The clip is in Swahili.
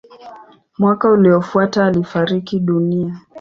Mwaka uliofuata alifariki dunia.